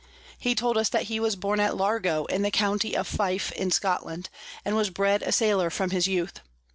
He told us that he was born at Largo in the County of Fife in Scotland, and was bred a Sailor from his Youth.